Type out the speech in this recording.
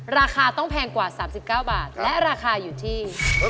ราคาต้องแพงกว่า๓๙บาทและราคาอยู่ที่